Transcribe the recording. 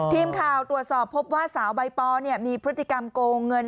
ทีมข่าวตรวจสอบพบว่าสาวใบปอมีพฤติกรรมโกงเงิน